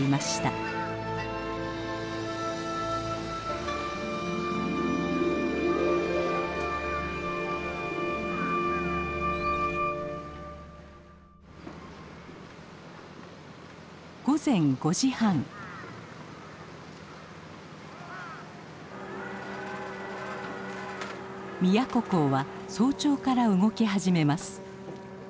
宮古港は早朝から動き始めます。